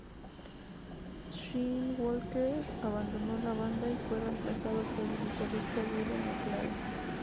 Sean Walker, abandonó la banda y fue reemplazado por el guitarrista William McLaren.